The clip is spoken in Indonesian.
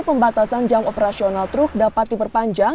pembatasan jam operasional truk dapat diperpanjang